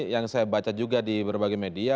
yang saya baca juga di berbagai media